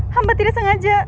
hamba tidak sengaja